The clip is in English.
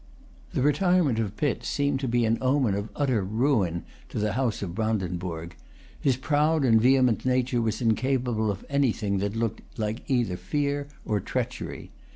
The retirement of Pitt seemed to be an omen of utter ruin to the House of Brandenburg. His proud and vehement nature was incapable of anything that looked like either fear or treachery.